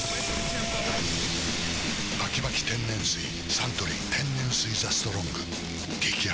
サントリー天然水「ＴＨＥＳＴＲＯＮＧ」激泡